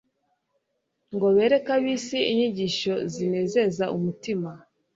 ngo bereke ab'isi inyigisho zinezeza umutima.